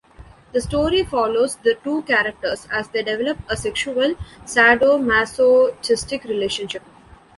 The story follows the two characters as they develop a sexual, sadomasochistic relationship.